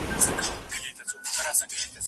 زه زارۍ درته کومه هندوستان ته مه ځه ګرانه